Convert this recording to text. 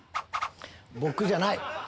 僕じゃない。